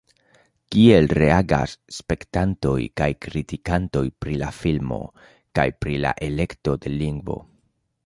Kiel reagas spektantoj kaj kritikantoj pri la filmo, kaj pri la elekto de lingvo?